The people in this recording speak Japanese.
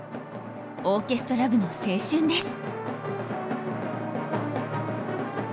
オーケストラ部の青春です。